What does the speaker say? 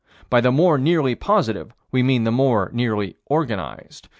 By the more nearly positive we mean the more nearly Organized.